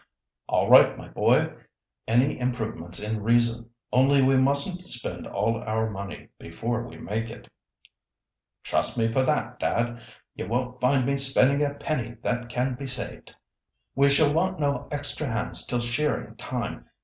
"All right, my boy; any improvements in reason, only we mustn't spend all our money before we make it." "Trust me for that, dad; you won't find me spending a penny that can be saved. We shall want no extra hands till shearing time.